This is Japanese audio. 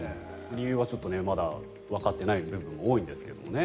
理由はちょっとまだわかっていない部分も多いんですけどね。